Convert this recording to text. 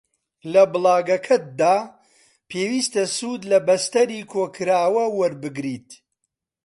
لە بڵاگەکەتدا پێویستە سوود لە بەستەری کۆکراوە وەربگریت